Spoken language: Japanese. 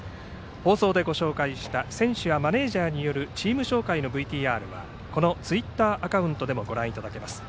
放送でご紹介した選手やマネージャーによるチーム紹介のＶＴＲはこのツイッターアカウントでもご覧いただけます。